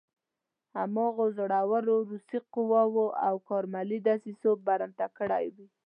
هماغو زړو روسي قواوو او کارملي دسیسو برمته کړی وي.